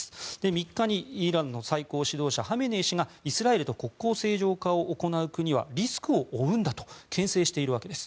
３日にイランの最高指導者ハメネイ師がイスラエルと国交正常化を行う国はリスクを負うんだとけん制しているわけです。